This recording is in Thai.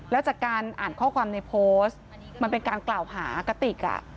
แล้วจากการอาวุธในโพสต์มันเป็นการเก่าหากระติก